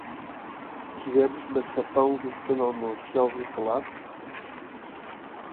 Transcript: Tivemos maçapão no pequeno almoço. Já ouviu falar?